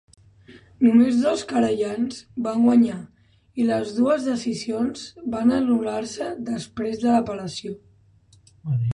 Només dos querellants van guanyar i les dues decisions van anul·lar-se després de l'apel·lació.